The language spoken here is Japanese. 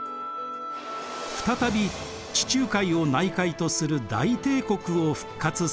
再び地中海を内海とする大帝国を復活させたのです。